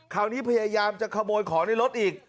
คราวนี้พยายามจะขโมยของในรถอีก